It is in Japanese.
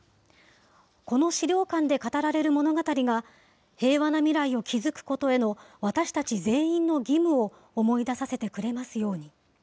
この資料館で語られる物語が、平和な未来を築くことへの私たち全員の義務を思い出させてくれますように。